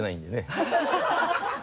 ハハハ